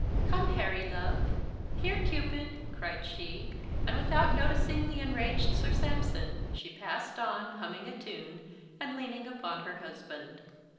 "Come, Harry, love; here, Cupid," cried she; and without noticing the enraged Sir Sampson, she passed on, humming a tune, and leaning upon her husband.